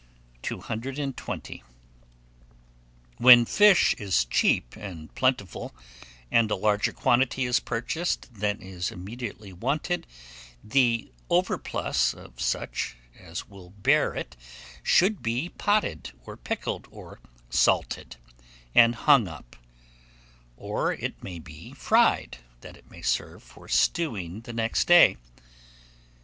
220. WHEN FISH IS CHEAP AND PLENTIFUL, and a larger quantity is purchased than is immediately wanted, the overplus of such as will bear it should be potted, or pickled, or salted, and hung up; or it may be fried, that it may serve for stewing the next day.